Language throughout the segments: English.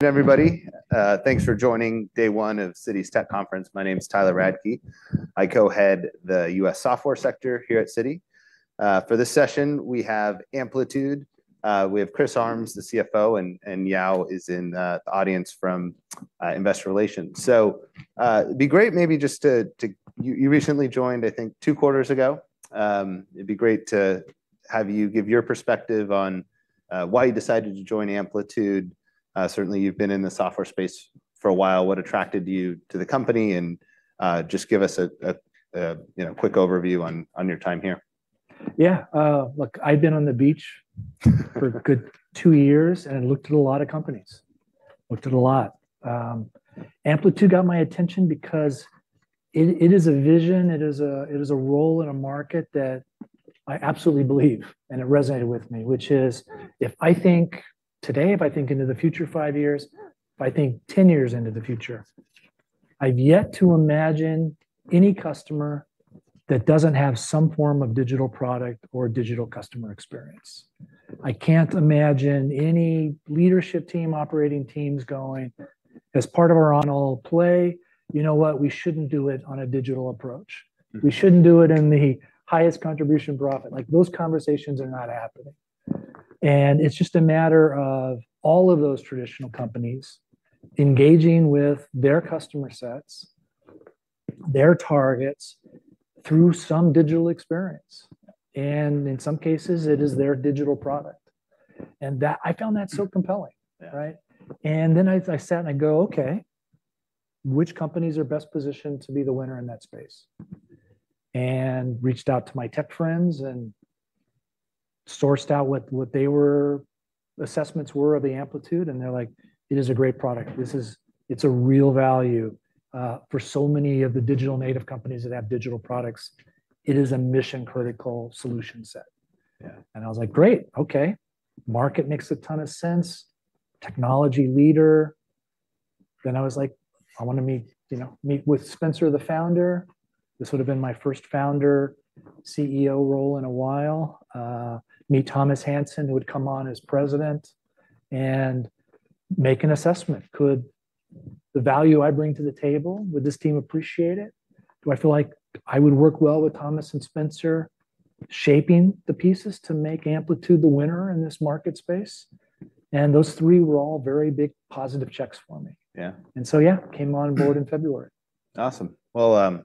Everybody, thanks for joining day one of Citi's Tech Conference. My name is Tyler Radke. IT Co-head the U.S. Software sector here at Citi. For this session, we have Amplitude, we have Criss Harms, the CFO, and Yaoxian Chew is in the audience from investor relations. So, it'd be great maybe just to you. You recently joined, I think, two quarters ago. It'd be great to have you give your perspective on why you decided to join Amplitude. Certainly, you've been in the software space for a while. What attracted you to the company? And just give us a you know, quick overview on your time here. Yeah. Look, I've been on the beach for a good two years and looked at a lot of companies. Looked at a lot. Amplitude got my attention because it, it is a vision, it is a, it is a role in a market that I absolutely believe, and it resonated with me. Which is, if I think today, if I think into the future, five years, if I think 10 years into the future, I've yet to imagine any customer that doesn't have some form of digital product or digital customer experience. I can't imagine any leadership team, operating teams going, as part of our on all play: "You know what? We shouldn't do it on a digital approach. We shouldn't do it in the highest contribution profit." Like, those conversations are not happening. It's just a matter of all of those traditional companies engaging with their customer sets, their targets, through some digital experience, and in some cases, it is their digital product. That I found that so compelling, right? Yeah. And then I sat and I go, "Okay, which companies are best positioned to be the winner in that space?" And reached out to my tech friends and sourced out what their assessments were of Amplitude, and they're like: "It is a great product. This is—it's a real value for so many of the digital native companies that have digital products. It is a mission-critical solution set. Yeah. And I was like: "Great, okay. Market makes a ton of sense, technology leader." Then I was like: "I want to meet, you know, meet with Spencer, the Founder." This would have been my first Founder, CEO role in a while. Meet Thomas Hansen, who would come on as President, and make an assessment. Could the value I bring to the table, would this team appreciate it? Do I feel like I would work well with Thomas and Spencer, shaping the pieces to make Amplitude the winner in this market space? And those three were all very big positive checks for me. Yeah. And so, yeah, came on board in February. Awesome. Well,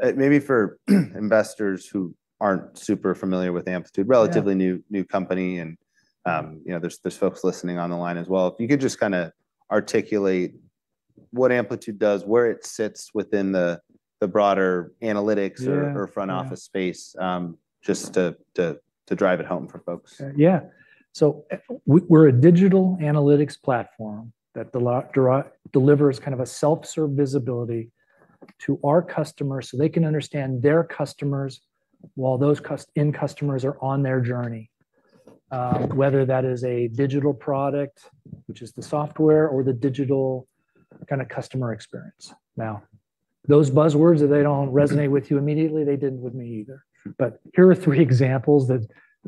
maybe for investors who aren't super familiar with Amplitude. Yeah. Relatively new company, and you know, there's folks listening on the line as well. If you could just kinda articulate what Amplitude does, where it sits within the broader analytics- Yeah Or front office space, just to drive it home for folks. Yeah. So we, we're a digital analytics platform that delivers kind of a self-serve visibility to our customers, so they can understand their customers, while those end customers are on their journey. Whether that is a digital product, which is the software, or the digital kind of customer experience. Now, those buzzwords, if they don't resonate with you immediately, they didn't with me either. But here are three examples that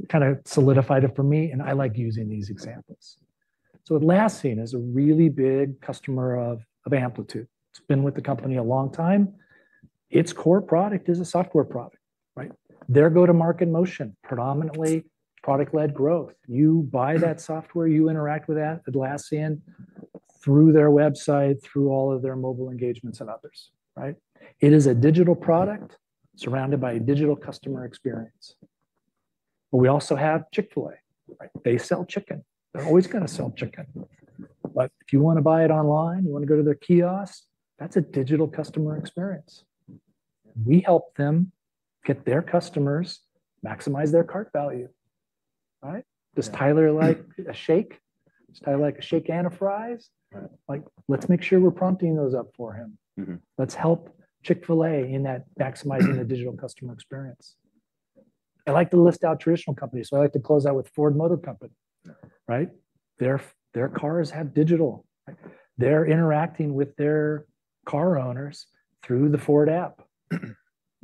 kind of solidified it for me, and I like using these examples. So Atlassian is a really big customer of Amplitude. It's been with the company a long time. Its core product is a software product, right? Their go-to-market motion, predominantly product-led growth. You buy that software, you interact with Atlassian through their website, through all of their mobile engagements and others, right? It is a digital product surrounded by a digital customer experience. But we also have Chick-fil-A. They sell chicken. They're always gonna sell chicken. But if you want to buy it online, you want to go to their kiosk, that's a digital customer experience. We help them get their customers maximize their cart value, right? Yeah. Does Tyler like a shake? Does Tyler like a shake and a fries? Right. Like, let's make sure we're prompting those up for him. Mm-hmm. Let's help Chick-fil-A in that, maximizing the digital customer experience. I like to list out traditional companies, so I like to close out with Ford Motor Company. Yeah. Right? Their, their cars have digital. They're interacting with their car owners through the Ford app.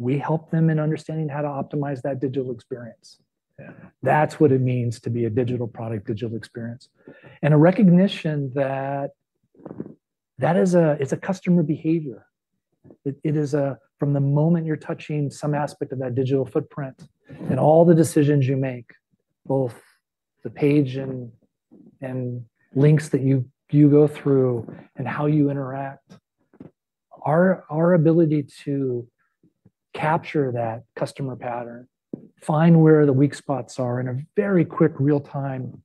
We help them in understanding how to optimize that digital experience. Yeah. That's what it means to be a digital product, digital experience. And a recognition that that is a, it's a customer behavior. It is a... From the moment you're touching some aspect of that digital footprint and all the decisions you make, both the page and links that you go through and how you interact, our ability to capture that customer pattern, find where the weak spots are in a very quick, real-time,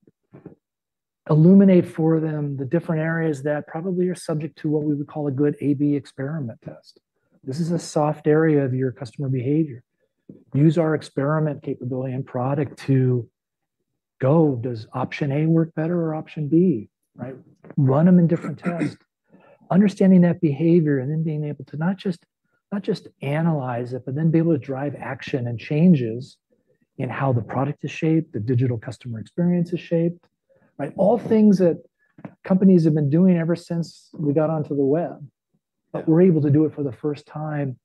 illuminate for them the different areas that probably are subject to what we would call a good A/B experiment test. This is a soft area of your customer behavior. Use our experiment capability and product to go, does option A work better or option B, right? Run them in different tests. Understanding that behavior and then being able to not just, not just analyze it, but then be able to drive action and changes in how the product is shaped, the digital customer experience is shaped, right? All things that companies have been doing ever since we got onto the web... But we're able to do it for the first time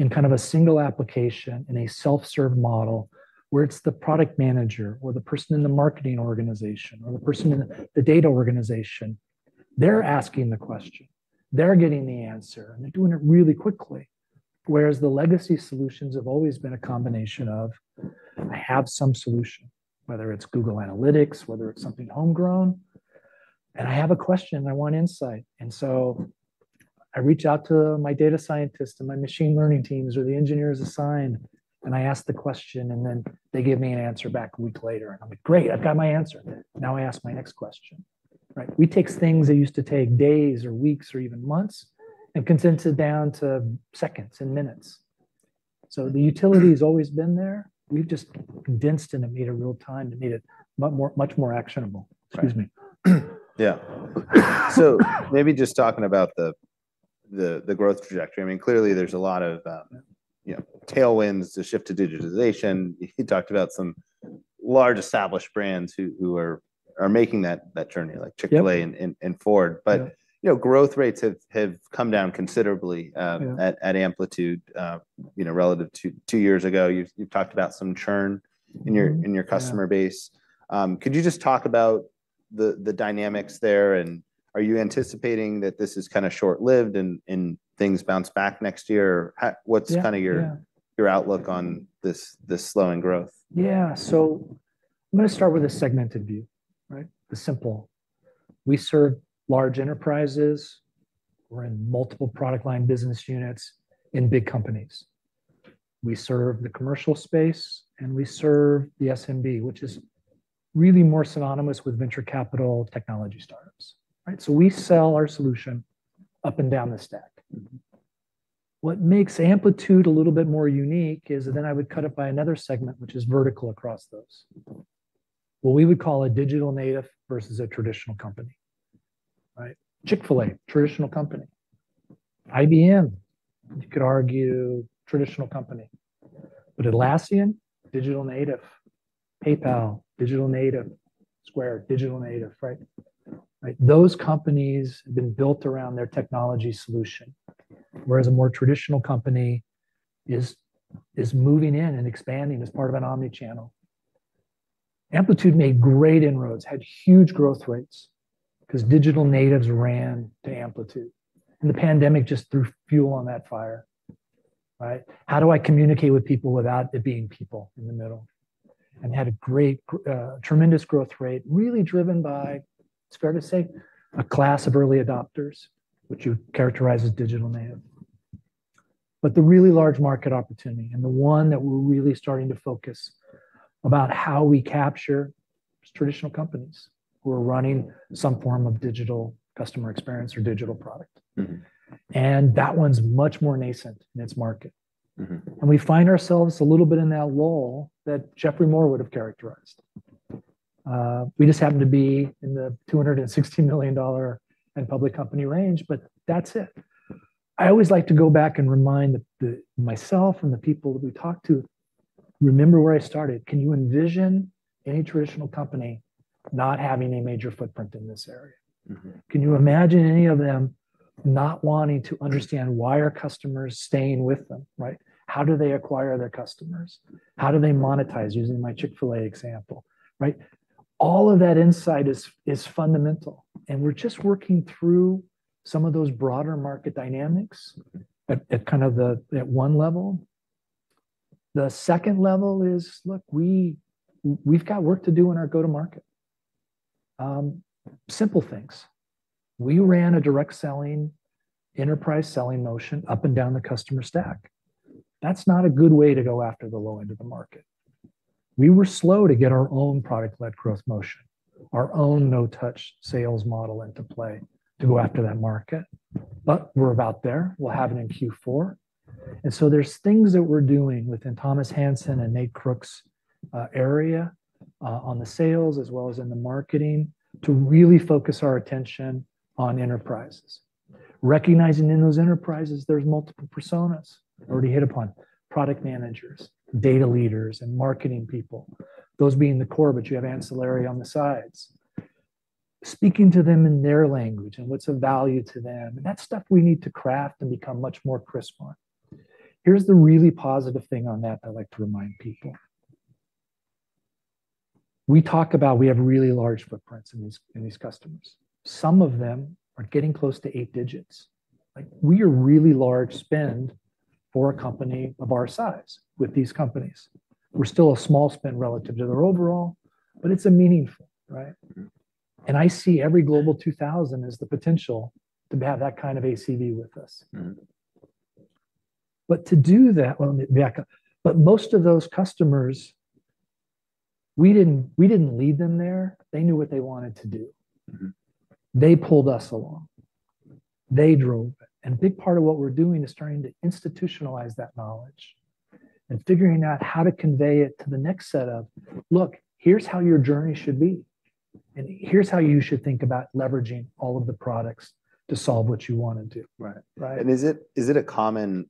in kind of a single application, in a self-serve model, where it's the product manager, or the person in the marketing organization, or the person in the data organization. They're asking the question, they're getting the answer, and they're doing it really quickly. Whereas the legacy solutions have always been a combination of, I have some solution, whether it's Google Analytics, whether it's something homegrown, and I have a question, I want insight. And so I reach out to my data scientist and my machine learning teams or the engineers assigned, and I ask the question, and then they give me an answer back a week later, and I'm like: "Great, I've got my answer. Now I ask my next question." Right? We take things that used to take days or weeks or even months and condense it down to seconds and minutes. So the utility has always been there. We've just condensed it and made it real time to make it much more, much more actionable. Excuse me. Yeah. So maybe just talking about the growth trajectory. I mean, clearly there's a lot of, you know, tailwinds, the shift to digitization. You talked about some large, established brands who are making that journey, like Yep Chick-fil-A and Ford. Yeah. But, you know, growth rates have come down considerably. Yeah At Amplitude, you know, relative to two years ago. You've talked about some churn Mm-hmm In your customer base. Yeah. Could you just talk about the dynamics there? And are you anticipating that this is kind of short-lived and things bounce back next year? Or how- Yeah, yeah. What's kind of your outlook on this slowing growth? Yeah. So I'm going to start with a segmented view, right? The simple. We serve large enterprises. We're in multiple product line business units in big companies. We serve the commercial space, and we serve the SMB, which is really more synonymous with venture capital technology startups, right? So we sell our solution up and down the stack. Mm-hmm. What makes Amplitude a little bit more unique is, then I would cut it by another segment, which is vertical across those. What we would call a digital native versus a traditional company, right? Chick-fil-A, traditional company. IBM, you could argue, traditional company. But Atlassian, digital native. PayPal, digital native. Square, digital native, right? Right, those companies have been built around their technology solution, whereas a more traditional company is, is moving in and expanding as part of an omni-channel. Amplitude made great inroads, had huge growth rates, because digital natives ran to Amplitude, and the pandemic just threw fuel on that fire, right? How do I communicate with people without it being people in the middle? And had a great, tremendous growth rate, really driven by, it's fair to say, a class of early adopters, which you characterize as digital native. But the really large market opportunity, and the one that we're really starting to focus about how we capture, traditional companies who are running some form of digital customer experience or digital product. Mm-hmm. That one's much more nascent in its market. Mm-hmm. We find ourselves a little bit in that lull that Geoffrey Moore would have characterized. We just happen to be in the $216 million public company range, but that's it. I always like to go back and remind myself and the people that we talk to, remember where I started. Can you envision any traditional company not having a major footprint in this area? Mm-hmm. Can you imagine any of them not wanting to understand why are customers staying with them, right? How do they acquire their customers? How do they monetize, using my Chick-fil-A example, right? All of that insight is fundamental, and we're just working through some of those broader market dynamics. Mm-hmm At one level. The second level is, look, we've got work to do on our go-to-market. Simple things. We ran a direct selling, enterprise selling motion up and down the customer stack. That's not a good way to go after the low end of the market. We were slow to get our own product-led growth motion, our own no-touch sales model into play to go after that market. But we're about there. We'll have it in Q4. And so there's things that we're doing within Thomas Hansen and Nate Clark's area on the sales, as well as in the marketing, to really focus our attention on enterprises. Recognizing in those enterprises, there's multiple personas. I already hit upon product managers, data leaders, and marketing people. Those being the core, but you have ancillary on the sides. Speaking to them in their language, and what's of value to them, and that's stuff we need to craft and become much more crisp on. Here's the really positive thing on that I'd like to remind people. We talk about we have really large footprints in these, in these customers. Some of them are getting close to eight digits. Like, we are really large spend for a company of our size with these companies. We're still a small spend relative to their overall, but it's a meaningful, right? Mm-hmm. I see every Global 2000 as the potential to have that kind of ACV with us. Mm-hmm. But to do that... Well, let me back up. But most of those customers, we didn't, we didn't lead them there. They knew what they wanted to do. Mm-hmm. They pulled us along. They drove, and a big part of what we're doing is starting to institutionalize that knowledge and figuring out how to convey it to the next set of: Look, here's how your journey should be, and here's how you should think about leveraging all of the products to solve what you want to do. Right. Right? Is it, is it a common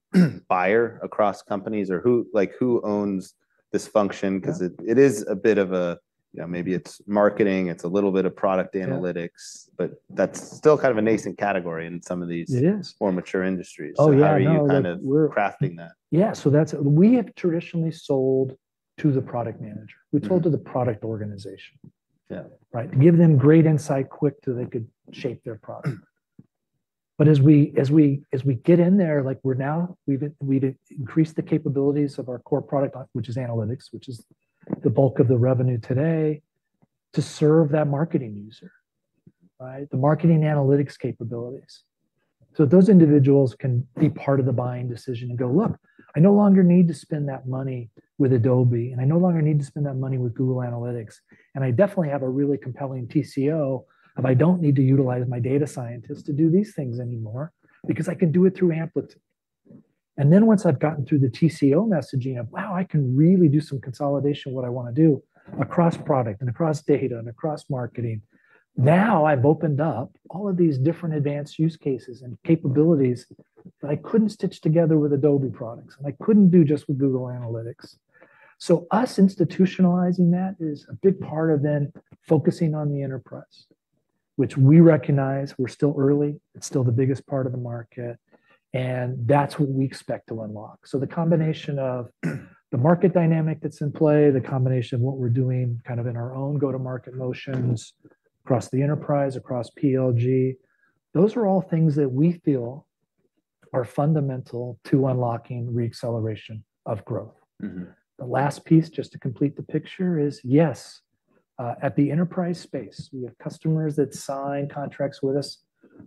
buyer across companies, or who... like, who owns this function? Yeah. 'Cause it is a bit of a... Yeah, maybe it's marketing, it's a little bit of product analytics. Yeah. But that's still kind of a nascent category in some of these- It is. more mature industries. Oh, yeah. I know. How are you kind of crafting that? Yeah, so that's. We have traditionally sold to the product manager. Mm-hmm. We sold to the product organization. Yeah. Right? To give them great insight quick, so they could shape their product. But as we get in there, like, we've increased the capabilities of our core product, which is analytics, which is the bulk of the revenue today, to serve that marketing user, right? The marketing analytics capabilities. So those individuals can be part of the buying decision and go, "Look, I no longer need to spend that money with Adobe, and I no longer need to spend that money with Google Analytics. And I definitely have a really compelling TCO, if I don't need to utilize my data scientists to do these things anymore, because I can do it through Amplitude. And then, once I've gotten through the TCO messaging of, "Wow, I can really do some consolidation, what I want to do across product and across data and across marketing," now I've opened up all of these different advanced use cases and capabilities that I couldn't stitch together with Adobe products, and I couldn't do just with Google Analytics. So us institutionalizing that is a big part of then focusing on the enterprise, which we recognize we're still early. It's still the biggest part of the market, and that's what we expect to unlock. So the combination of the market dynamic that's in play, the combination of what we're doing, kind of in our own go-to-market motions across the enterprise, across PLG, those are all things that we feel are fundamental to unlocking re-acceleration of growth. Mm-hmm. The last piece, just to complete the picture, is, yes, at the enterprise space, we have customers that signed contracts with us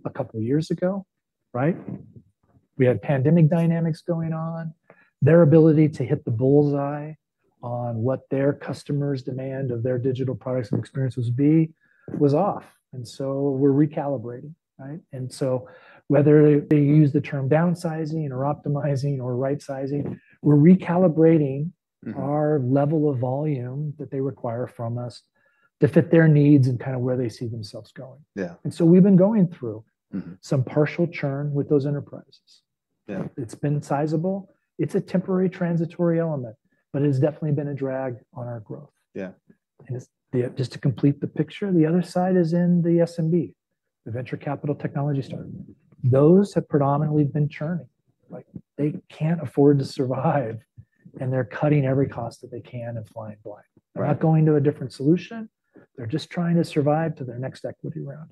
a couple of years ago, right? We had pandemic dynamics going on. Their ability to hit the bull's-eye on what their customers' demand of their digital products and experiences be, was off, and so we're recalibrating, right? And so whether they use the term downsizing or optimizing or rightsizing, we're recalibrating- Mm-hmm. our level of volume that they require from us to fit their needs and kind of where they see themselves going. Yeah. And so we've been going through- Mm-hmm. some partial churn with those enterprises. Yeah. It's been sizable. It's a temporary, transitory element, but it has definitely been a drag on our growth. Yeah. And just, just to complete the picture, the other side is in the SMB, the venture capital technology startup. Those have predominantly been churning. Like, they can't afford to survive, and they're cutting every cost that they can and flying blind. Right. They're not going to a different solution. They're just trying to survive to their next equity round.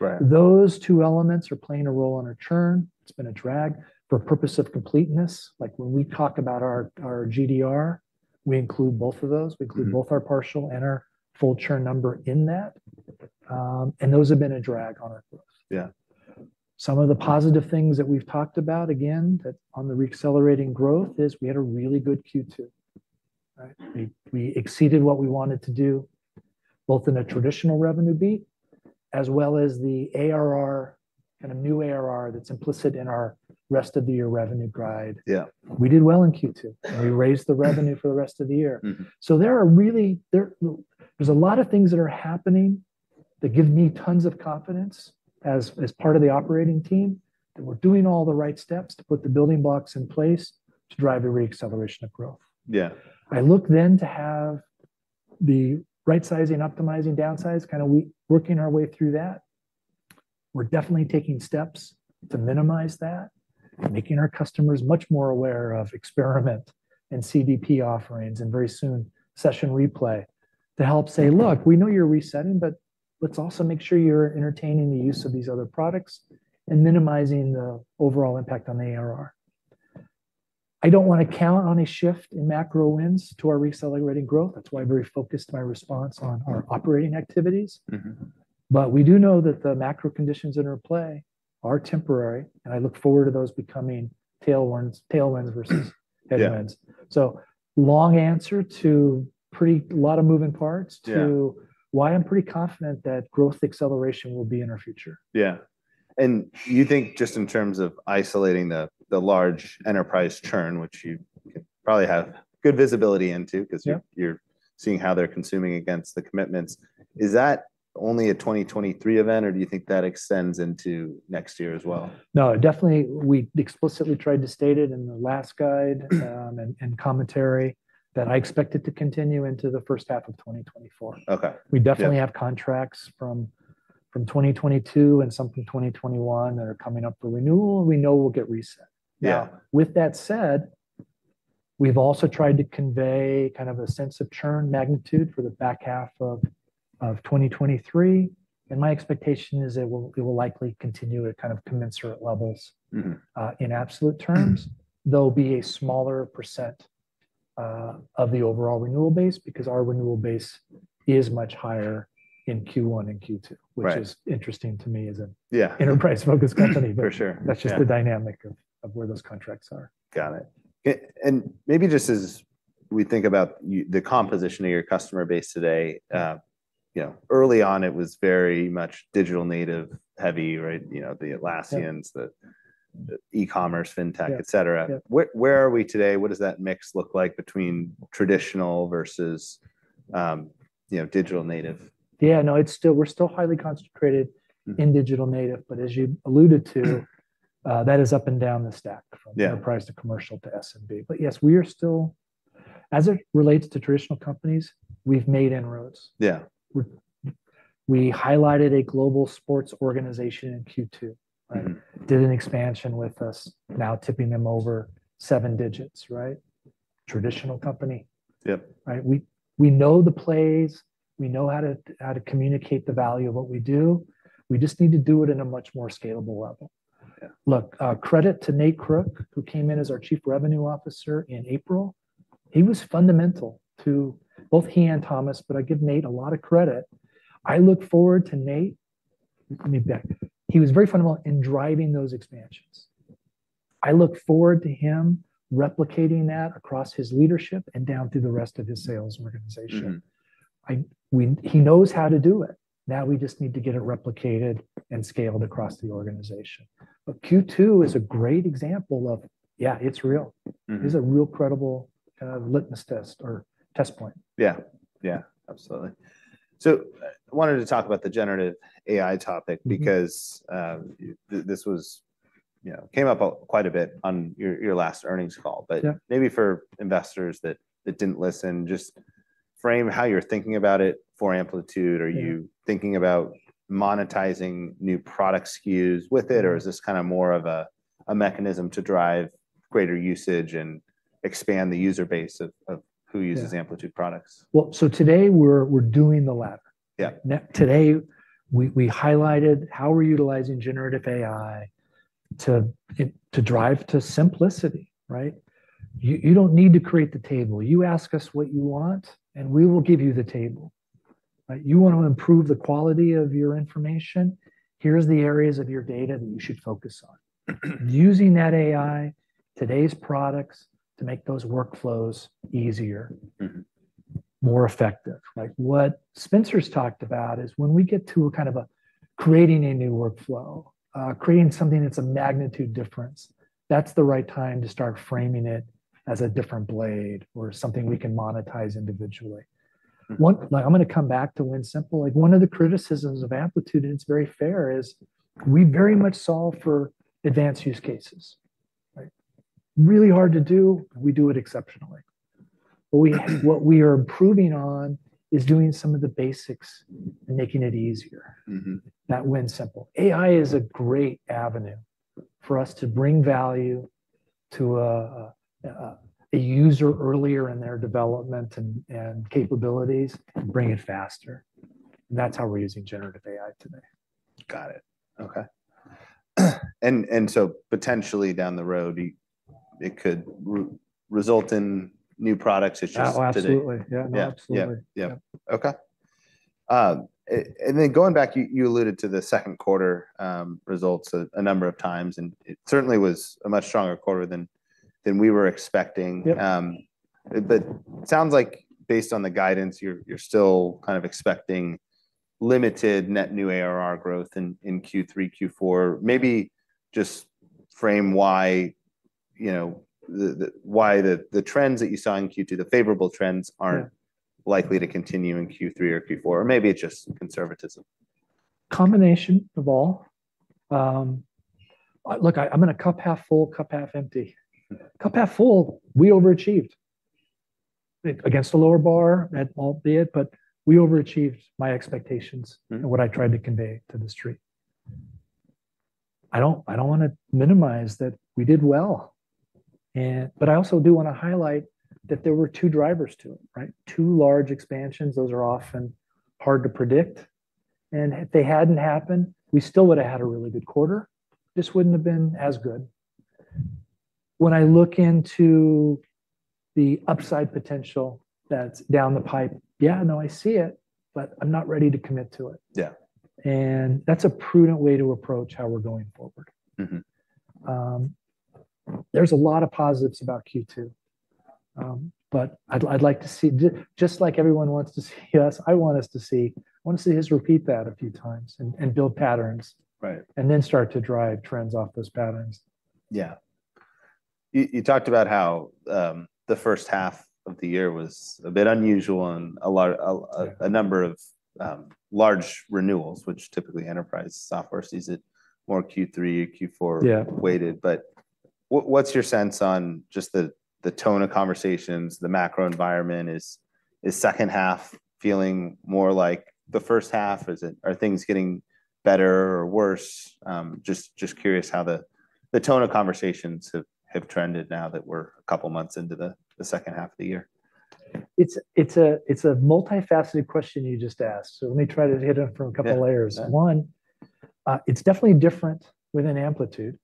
Right. Those two elements are playing a role in our churn. It's been a drag. For purpose of completeness, like, when we talk about our GDR, we include both of those. Mm-hmm. We include both our partial and our full churn number in that. Those have been a drag on our growth. Yeah. Some of the positive things that we've talked about, again, that on the re-accelerating growth, is we had a really good Q2. Right? We, we exceeded what we wanted to do, both in a traditional revenue beat as well as the ARR and a new ARR that's implicit in our rest of the year revenue guide. Yeah. We did well in Q2, and we raised the revenue for the rest of the year. Mm-hmm. So there are really a lot of things that are happening that give me tons of confidence as part of the operating team that we're doing all the right steps to put the building blocks in place to drive a re-acceleration of growth. Yeah. I look then to have the rightsizing, optimizing, downsize, kind of working our way through that. We're definitely taking steps to minimize that and making our customers much more aware of Experiment and CDP offerings, and very soon, Session Replay, to help say, "Look, we know you're resetting, but let's also make sure you're entertaining the use of these other products and minimizing the overall impact on the ARR." I don't want to count on a shift in macro wins to our re-accelerating growth. That's why I very focused my response on our operating activities. Mm-hmm. But we do know that the macro conditions that are at play are temporary, and I look forward to those becoming tailwinds, tailwinds versus headwinds. Yeah. So, long answer to pretty, a lot of moving parts. Yeah To why I'm pretty confident that growth acceleration will be in our future. Yeah. And you think just in terms of isolating the large enterprise churn, which you probably have good visibility into- Yeah Because you're seeing how they're consuming against the commitments. Is that only a 2023 event, or do you think that extends into next year as well? No, definitely, we explicitly tried to state it in the last guide, and commentary, that I expect it to continue into the first half of 2024. Okay, yeah. We definitely have contracts from 2022 and some from 2021 that are coming up for renewal, and we know we'll get reset. Yeah. Now, with that said, we've also tried to convey kind of a sense of churn magnitude for the back half of 2023, and my expectation is it will likely continue at kind of commensurate levels- Mm-hmm In absolute terms. They'll be a smaller % of the overall renewal base, because our renewal base is much higher in Q1 and Q2- Right Which is interesting to me as an- Yeah Enterprise-focused company. For sure, yeah. That's just the dynamic of where those contracts are. Got it. And maybe just as we think about the composition of your customer base today... Yeah You know, early on, it was very much digital native heavy, right? You know, the Atlassians, the e-commerce, Fintech- Yeah Et cetera. Yeah. Where, where are we today? What does that mix look like between traditional versus, you know, digital native? Yeah, no, it's still, we're still highly concentrated- Mm-hmm In digital Native, but as you alluded to, that is up and down the stack. Yeah. From enterprise to commercial to SMB. But yes, we are still, as it relates to traditional companies, we've made inroads. Yeah. We highlighted a global sports organization in Q2. Mm-hmm. Did an expansion with us, now tipping them over seven digits, right? Traditional company. Yep. Right. We, we know the plays, we know how to, how to communicate the value of what we do. We just need to do it in a much more scalable level. Look, credit to Nate Clark, who came in as our Chief Revenue Officer in April. He was fundamental to... Both he and Thomas Hansen, but I give Nate a lot of credit. I look forward to Nate. Let me back. He was very fundamental in driving those expansions. I look forward to him replicating that across his leadership and down through the rest of his sales organization. Mm-hmm. He knows how to do it. Now, we just need to get it replicated and scaled across the organization. But Q2 is a great example of, yeah, it's real. Mm-hmm. This is a real credible, litmus test or test point. Yeah. Yeah, absolutely. So I wanted to talk about the Generative AI topic- Mm-hmm. Because, this was, you know, came up quite a bit on your, your last earnings call. Yeah. Maybe for investors that didn't listen, just frame how you're thinking about it for Amplitude. Yeah. Are you thinking about monetizing new product SKUs with it, or is this kind of more of a mechanism to drive greater usage and expand the user base of who uses- Yeah Amplitude products? Well, so today we're doing the latter. Yeah. Today, we highlighted how we're utilizing Generative AI to drive to simplicity, right? You don't need to create the table. You ask us what you want, and we will give you the table. You want to improve the quality of your information, here's the areas of your data that you should focus on. Using that AI, today's products, to make those workflows easier. Mm-hmm More effective. Like, what Spencer's talked about is when we get to a kind of creating a new workflow, creating something that's a magnitude difference, that's the right time to start framing it as a different blade or something we can monetize individually. Mm-hmm. Like, I'm gonna come back to win simple. Like, one of the criticisms of Amplitude, and it's very fair, is we very much solve for advanced use cases. Right? Really hard to do, and we do it exceptionally. But we, what we are improving on is doing some of the basics and making it easier. Mm-hmm. That wins simple. AI is a great avenue for us to bring value to a user earlier in their development and capabilities, bring it faster. And that's how we're using Generative AI today. Got it. Okay. And so potentially down the road, it could result in new products, it's just today? Oh, absolutely. Yeah. Yeah. Absolutely. Yeah. Yeah. Okay. And then going back, you alluded to the second quarter results a number of times, and it certainly was a much stronger quarter than we were expecting. Yep. But it sounds like based on the guidance, you're still kind of expecting limited net new ARR growth in Q3, Q4. Maybe just frame why, you know, the trends that you saw in Q2, the favorable trends- Yeah... aren't likely to continue in Q3 or Q4, or maybe it's just conservatism. Combination of all. Look, I, I'm in a cup half full, cup half empty. Cup half full, we overachieved. Against a lower bar, that might be it, but we overachieved my expectations- Mm-hmm And what I tried to convey to the street. I don't, I don't want to minimize that we did well, and, but I also do want to highlight that there were two drivers to it, right? Two large expansions, those are often hard to predict, and if they hadn't happened, we still would have had a really good quarter. Just wouldn't have been as good. When I look into the upside potential that's down the pipe, yeah, no, I see it, but I'm not ready to commit to it. Yeah. That's a prudent way to approach how we're going forward. Mm-hmm. There's a lot of positives about Q2. But I'd like to see... just like everyone wants to see us, I want to see us repeat that a few times and build patterns. Right. Start to drive trends off those patterns. Yeah. You talked about how the first half of the year was a bit unusual and a lot. Yeah A number of large renewals, which typically enterprise software sees it more Q3, Q4- Yeah Weighted. But what, what's your sense on just the, the tone of conversations, the macro environment? Is, is second half feeling more like the first half? Is it... Are things getting better or worse? Just, just curious how the, the tone of conversations have, have trended now that we're a couple months into the, the second half of the year. It's a multifaceted question you just asked, so let me try to hit it from a couple of layers. Yeah. One, it's definitely different within Amplitude,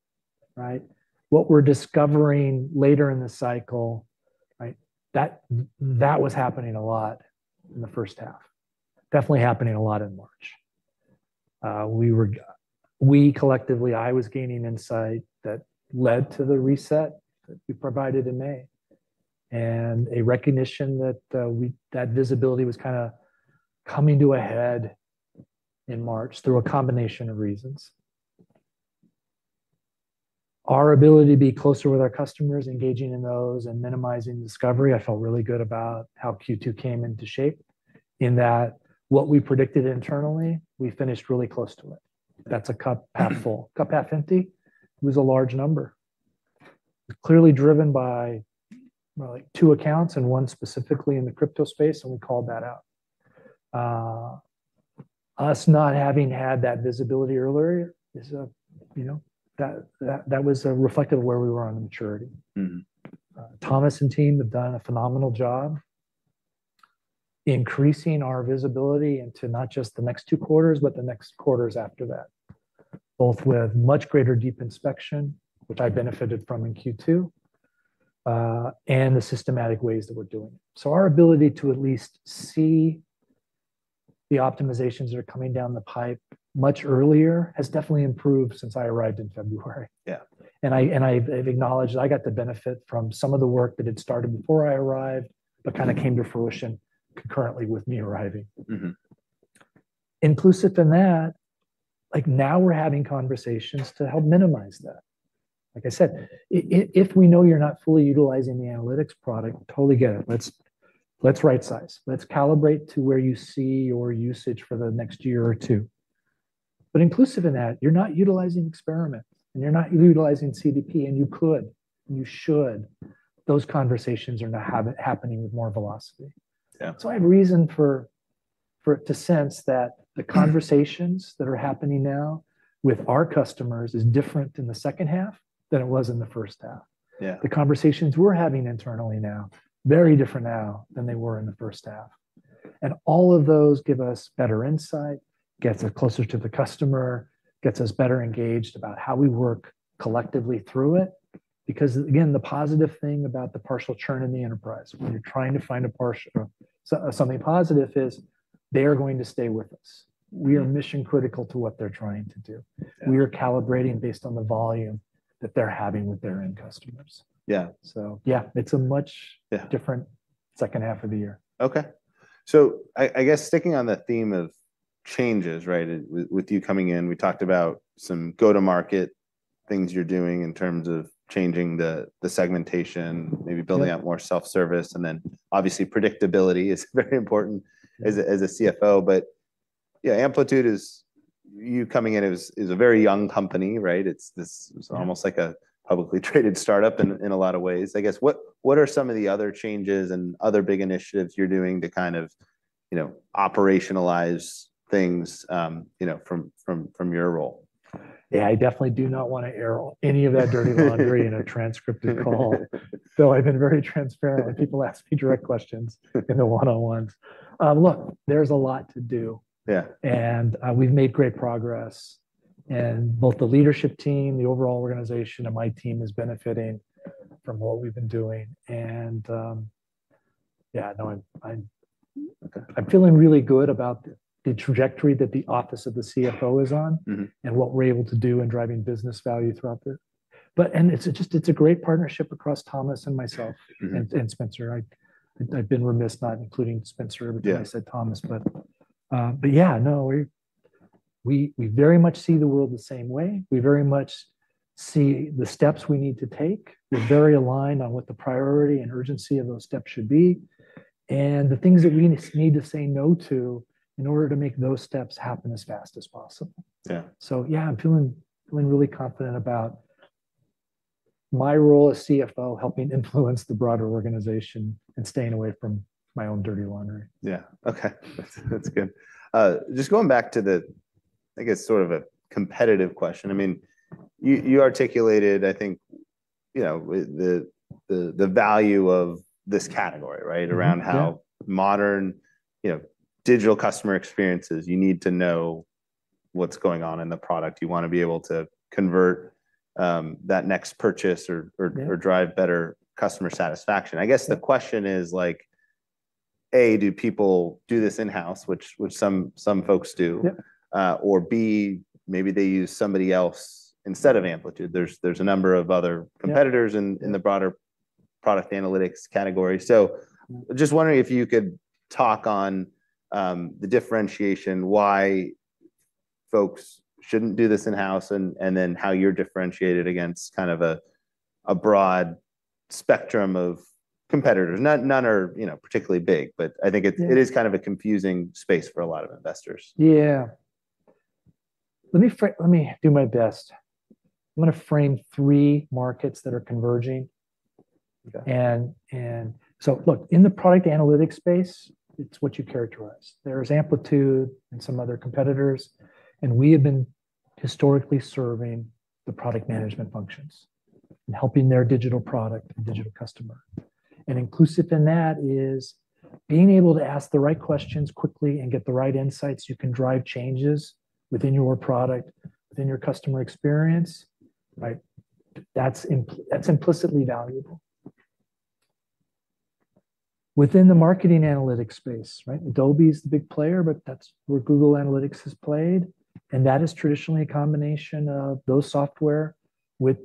right? What we're discovering later in the cycle, right, that, that was happening a lot in the first half. Definitely happening a lot in March. We were. We collectively, I was gaining insight that led to the reset that we provided in May, and a recognition that, we, that visibility was kinda coming to a head in March through a combination of reasons. Our ability to be closer with our customers, engaging in those and minimizing discovery, I felt really good about how Q2 came into shape in that what we predicted internally, we finished really close to it. That's a cup half full. Cup half empty, was a large number. Clearly driven by, well, like two accounts and one specifically in the crypto space, and we called that out. Us not having had that visibility earlier is a, you know, that was reflective of where we were on the maturity. Mm-hmm. Thomas and team have done a phenomenal job increasing our visibility into not just the next two quarters, but the next quarters after that, both with much greater deep inspection, which I benefited from in Q2, and the systematic ways that we're doing it. So our ability to at least see the optimizations that are coming down the pipe much earlier has definitely improved since I arrived in February. Yeah. And I've acknowledged I got the benefit from some of the work that had started before I arrived, but kind of came to fruition concurrently with me arriving. Mm-hmm. Inclusive to that, like, now we're having conversations to help minimize that. Like I said, if we know you're not fully utilizing the analytics product, totally get it. Let's rightsize. Let's calibrate to where you see your usage for the next year or two. But inclusive in that, you're not utilizing Experiment, and you're not utilizing CDP, and you could, and you should. Those conversations are now happening with more velocity. Yeah. So I have reason to sense that the conversations that are happening now with our customers is different in the second half than it was in the first half. Yeah. The conversations we're having internally now, very different now than they were in the first half. All of those give us better insight, gets us closer to the customer, gets us better engaged about how we work collectively through it. Because, again, the positive thing about the partial churn in the enterprise, when you're trying to find a partial, so something positive, is they are going to stay with us. Yeah. We are mission-critical to what they're trying to do. Yeah. We are calibrating based on the volume that they're having with their end customers. Yeah. So yeah, it's a much- Yeah Different second half of the year. Okay. So I guess sticking on the theme of changes, right? With you coming in, we talked about some go-to-market things you're doing in terms of changing the segmentation, maybe building out more self-service, and then obviously predictability is very important as a CFO. But yeah, Amplitude, you coming in, is a very young company, right? It's almost like a publicly traded startup in a lot of ways. I guess, what are some of the other changes and other big initiatives you're doing to kind of, you know, operationalize things, you know, from your role? Yeah, I definitely do not want to air any of that dirty laundry in a transcribed call. So I've been very transparent when people ask me direct questions in the one-on-ones. Look, there's a lot to do. Yeah. And, we've made great progress. And both the leadership team, the overall organization, and my team is benefiting from what we've been doing. And, yeah, no, I'm- Okay I'm feeling really good about the trajectory that the office of the CFO is on- Mm-hmm And what we're able to do in driving business value throughout the... But, and it's just, it's a great partnership across Thomas and myself. Mm-hmm and Spencer. I’ve been remiss not including Spencer every time. Yeah I said Thomas, but, but yeah, no, we very much see the world the same way. We very much see the steps we need to take. Mm. We're very aligned on what the priority and urgency of those steps should be, and the things that we need to say no to in order to make those steps happen as fast as possible. Yeah. So yeah, I'm feeling, feeling really confident about my role as CFO, helping influence the broader organization and staying away from my own dirty laundry. Yeah. Okay, that's, that's good. Just going back to the, I guess, sort of a competitive question. I mean, you articulated, I think, you know, the value of this category, right? Mm-hmm. Around how modern, you know, digital customer experiences, you need to know what's going on in the product. You want to be able to convert that next purchase or, or- Yeah Or drive better customer satisfaction. Yeah. I guess the question is, like, A, do people do this in-house? Which some folks do. Yeah. Or B, maybe they use somebody else instead of Amplitude. There's a number of other- Yeah Competitors in the broader product analytics category. So just wondering if you could talk on the differentiation, why folks shouldn't do this in-house, and then how you're differentiated against kind of a broad spectrum of competitors. None are, you know, particularly big, but I think it- Yeah It is kind of a confusing space for a lot of investors. Yeah. Let me do my best. I'm gonna frame three markets that are converging. Okay. And so look, in the product analytics space, it's what you characterize. There's Amplitude and some other competitors, and we have been historically serving the product management functions and helping their digital product and digital customer. And inclusive in that is being able to ask the right questions quickly and get the right insights, you can drive changes within your product, within your customer experience, right? That's implicitly valuable. Within the marketing analytics space, right, Adobe is the big player, but that's where Google Analytics has played, and that is traditionally a combination of those software with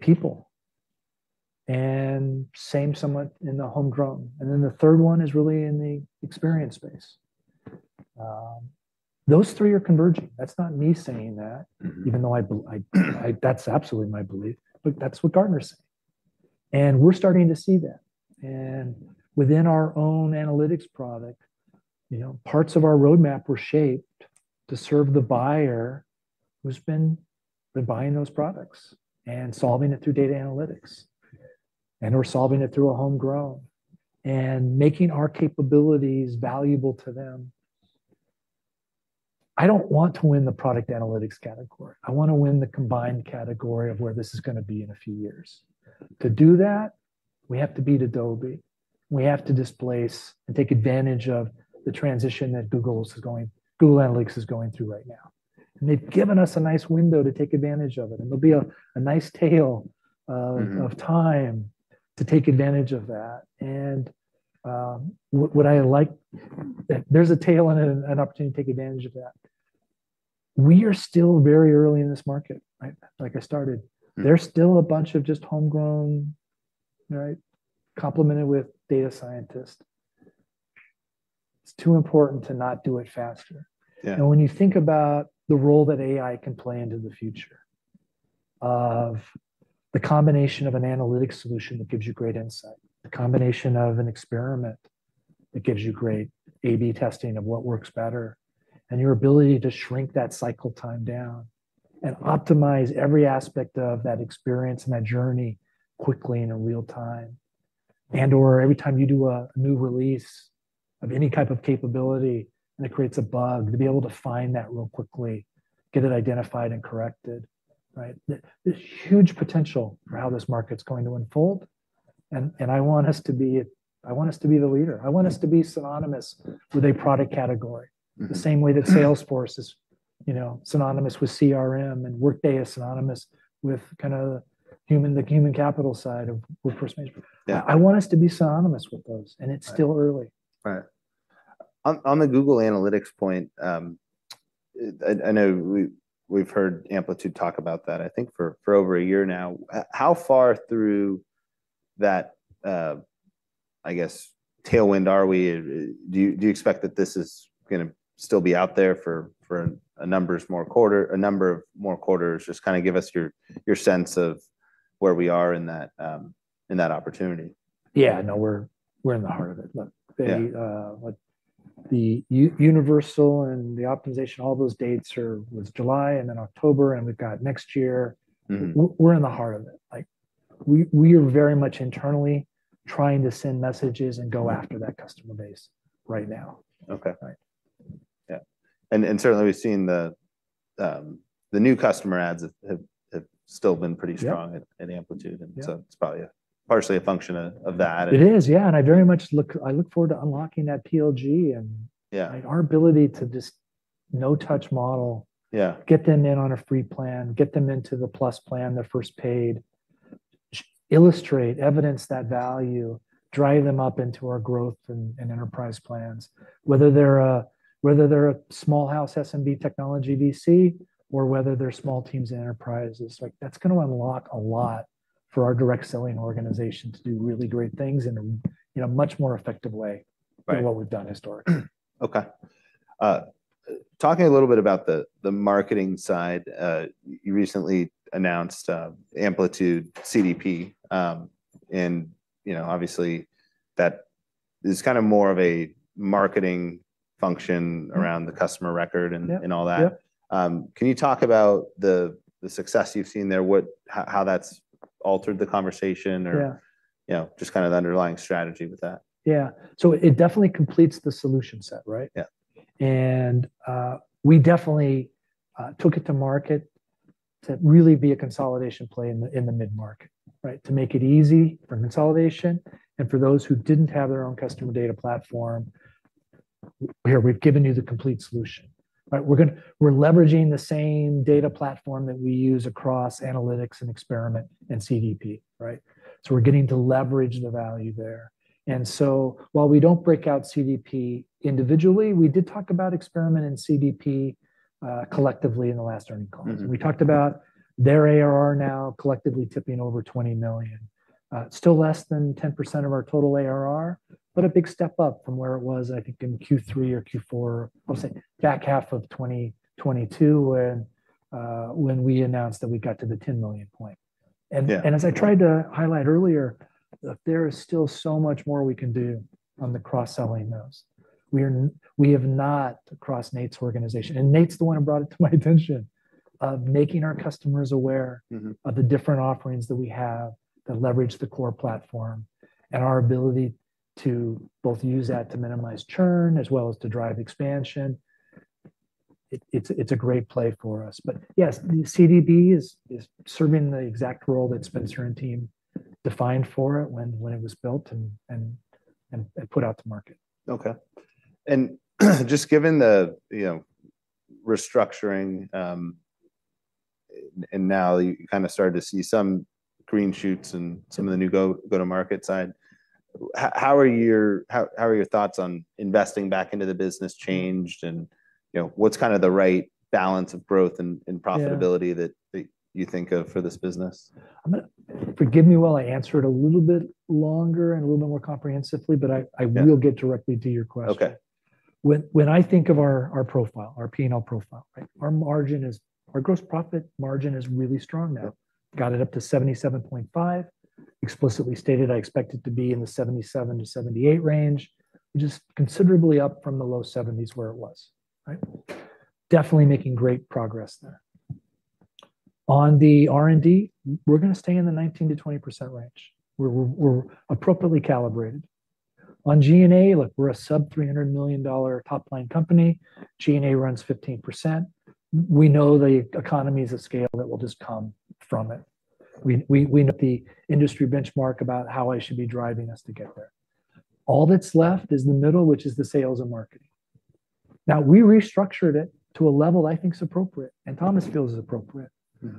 people. And same somewhat in the homegrown. And then the third one is really in the experience space. Those three are converging. That's not me saying that- Mm-hmm Even though I that's absolutely my belief, but that's what Gartner's saying... and we're starting to see that. Within our own analytics product, you know, parts of our roadmap were shaped to serve the buyer who's been buying those products and solving it through data analytics, and we're solving it through a homegrown, and making our capabilities valuable to them. I don't want to win the product analytics category. I want to win the combined category of where this is going to be in a few years. To do that, we have to beat Adobe. We have to displace and take advantage of the transition that Google is going-- Google Analytics is going through right now, and they've given us a nice window to take advantage of it, and there'll be a nice tail. Mm-hmm Of time to take advantage of that. What I like, that there's a tail and an opportunity to take advantage of that. We are still very early in this market, right? Like I started. Mm. There's still a bunch of just homegrown, right, complemented with data scientists. It's too important to not do it faster. Yeah. When you think about the role that AI can play into the future, of the combination of an analytics solution that gives you great insight, the combination of an experiment that gives you great A/B testing of what works better, and your ability to shrink that cycle time down and optimize every aspect of that experience and that journey quickly in real time. And/or every time you do a new release of any type of capability and it creates a bug, to be able to find that real quickly, get it identified and corrected, right? The huge potential for how this market's going to unfold, and I want us to be, I want us to be the leader. I want us to be synonymous with a product category- Mm-hmm The same way that Salesforce is, you know, synonymous with CRM, and Workday is synonymous with kinda the human, the human capital side of Workforce management. Yeah. I want us to be synonymous with those, and it's still early. Right. On the Google Analytics point, I know we've heard Amplitude talk about that, I think for over a year now. How far through that, I guess, tailwind are we? Do you expect that this is going to still be out there for a number of more quarters? Just kind of give us your sense of where we are in that, in that opportunity. Yeah. No, we're in the heart of it. Look- Yeah They, like the universal and the optimization, all those dates are was July, and then October, and we've got next year. Mm-hmm. We're in the heart of it. Like, we are very much internally trying to send messages and go after that customer base right now. Okay. Right. Yeah. And certainly, we've seen the new customer adds have still been pretty strong- Yeah At Amplitude, and- Yeah So it's probably partially a function of, of that. It is, yeah, and I very much look forward to unlocking that PLG and- Yeah Our ability to just no-touch model- Yeah Get them in on a free plan, get them into the plus plan, their first paid, illustrate, evidence that value, drive them up into our growth and enterprise plans. Whether they're a small house SMB technology VC, or whether they're small teams enterprises, like, that's going to unlock a lot for our direct selling organization to do really great things in a much more effective way- Right Than what we've done historically. Okay. Talking a little bit about the marketing side, you recently announced Amplitude CDP, and you know, obviously, that is kind of more of a marketing function around- Mm The customer record and- Yeah And all that. Yep. Can you talk about the success you've seen there? What... How that's altered the conversation or- Yeah You know, just kind of the underlying strategy with that. Yeah. So it definitely completes the solution set, right? Yeah. And, we definitely took it to market to really be a consolidation play in the mid-market, right? To make it easy for consolidation and for those who didn't have their own customer data platform, "Here, we've given you the complete solution." Right, we're gonna, we're leveraging the same data platform that we use across Analytics and Experiment and CDP, right? So we're getting to leverage the value there. And so while we don't break out CDP individually, we did talk about Experiment and CDP collectively in the last earnings call. Mm-hmm. We talked about their ARR now collectively tipping over $20 million. Still less than 10% of our total ARR, but a big step up from where it was, I think, in Q3 or Q4, I'd say back half of 2022, when, when we announced that we got to the $10 million point. Yeah. And as I tried to highlight earlier, that there is still so much more we can do on the cross-selling those. We have not crossed Nate's organization, and Nate's the one who brought it to my attention, of making our customers aware- Mm-hmm Of the different offerings that we have that leverage the core platform, and our ability to both use that to minimize churn, as well as to drive expansion. It's a great play for us. But yes, the CDP is serving the exact role that Spencer and team defined for it when it was built and put out to market. Okay. And just given the, you know, restructuring, and now you kind of started to see some green shoots and some of the new go-to-market side, how are your thoughts on investing back into the business changed? And, you know, what's kind of the right balance of growth and profitability? Yeah That you think of for this business? Forgive me while I answer it a little bit longer and a little bit more comprehensively, but I, I- Yeah Will get directly to your question. When I think of our profile, our P&L profile, right? Our margin is. Our gross profit margin is really strong now. Got it up to 77.5%. Explicitly stated, I expect it to be in the 77%-78% range, which is considerably up from the low 70s where it was, right? Definitely making great progress there. On the R&D, we're gonna stay in the 19%-20% range, where we're appropriately calibrated. On G&A, look, we're a sub-$300 million top-line company. G&A runs 15%. We know the economies of scale that will just come from it. We know the industry benchmark about how I should be driving us to get there. All that's left is the middle, which is the sales and marketing. Now, we restructured it to a level I think is appropriate, and Thomas feels is appropriate.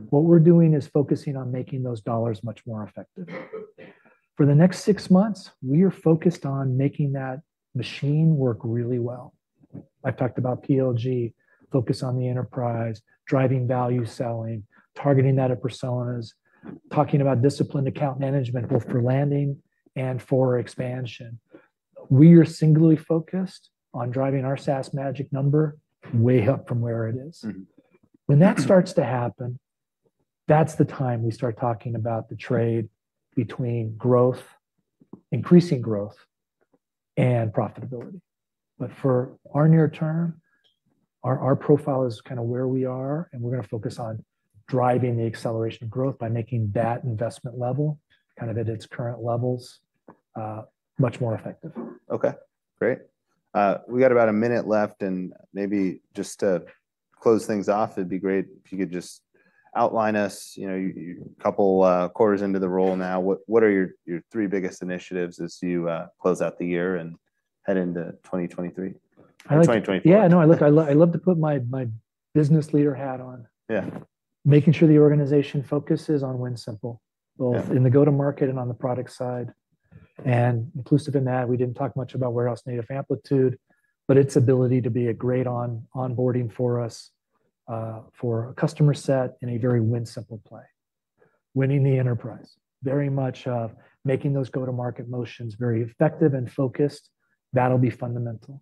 What we're doing is focusing on making those dollars much more effective. For the next six months, we are focused on making that machine work really well. I've talked about PLG, focus on the enterprise, driving value selling, targeting that at personas, talking about disciplined account management, both for landing and for expansion. We are singularly focused on driving our SaaS Magic Number way up from where it is. Mm-hmm. When that starts to happen, that's the time we start talking about the trade between growth, increasing growth, and profitability. But for our near term, our profile is kinda where we are, and we're gonna focus on driving the acceleration of growth by making that investment level kind of at its current levels, much more effective. Okay, great. We got about a minute left, and maybe just to close things off, it'd be great if you could just outline us, you know, you, you couple quarters into the role now, what, what are your, your three biggest initiatives as you close out the year and head into 2023? Or 2024. Yeah, I know. I love to put my business leader hat on. Yeah. Making sure the organization focuses on win simple- Yeah. Both in the go-to-market and on the product side. And inclusive in that, we didn't talk much about Warehouse Native Amplitude, but its ability to be a great onboarding for us for a customer set in a very simple play. Winning the enterprise. Very much of making those go-to-market motions very effective and focused, that'll be fundamental.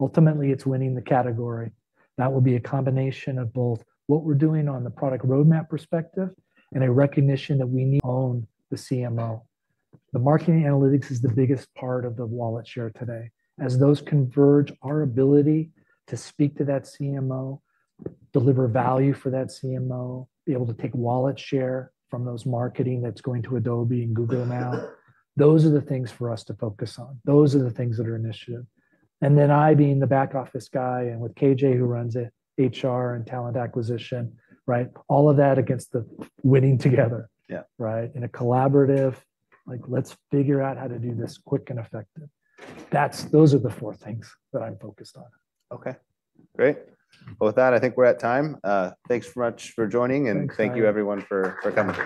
Ultimately, it's winning the category. That will be a combination of both what we're doing on the product roadmap perspective and a recognition that we need to own the CMO. The marketing analytics is the biggest part of the wallet share today. As those converge, our ability to speak to that CMO, deliver value for that CMO, be able to take wallet share from those marketing that's going to Adobe and Google now, those are the things for us to focus on. Those are the things that are initiative. And then I, being the back-office guy, and with KJ, who runs it, HR and talent acquisition, right? All of that against the winning together. Yeah. Right? In a collaborative, like, let's figure out how to do this quick and effective. That's, those are the four things that I'm focused on. Okay, great. Well, with that, I think we're at time. Thanks much for joining, and- Thanks, guys. Thank you everyone for coming.